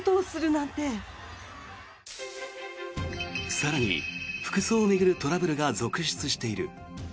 更に、服装を巡るトラブルが続出している。